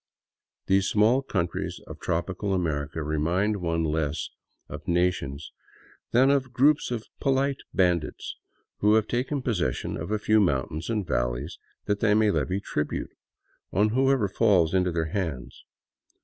These small countries of tropical America remind one less of na tions than of groups of polite bandits who have taken possession of a few mountains and valleys that they may levy tribute on whoever falls into their hands.